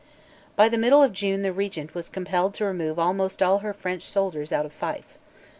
By the middle of June the Regent was compelled to remove almost all her French soldiers out of Fife.